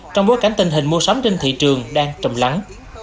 trong bối cảnh tình hình mua sắm trên thị trường đang trầm lắng